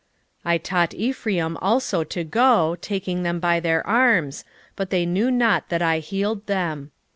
11:3 I taught Ephraim also to go, taking them by their arms; but they knew not that I healed them.